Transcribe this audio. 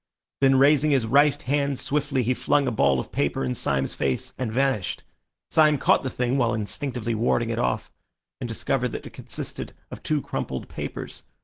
Then raising his right hand swiftly, he flung a ball of paper in Syme's face and vanished. Syme caught the thing while instinctively warding it off, and discovered that it consisted of two crumpled papers.